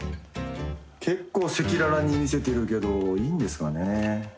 結構、赤裸々に見せてるけどいいんですかね。